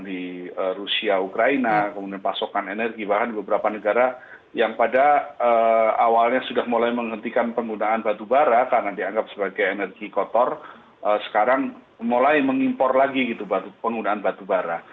di rusia ukraina kemudian pasokan energi bahkan beberapa negara yang pada awalnya sudah mulai menghentikan penggunaan batu bara karena dianggap sebagai energi kotor sekarang mulai mengimpor lagi gitu penggunaan batu bara